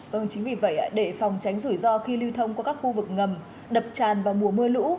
vâng chính vì vậy để phòng tránh rủi ro khi lưu thông qua các khu vực ngầm đập tràn vào mùa mưa lũ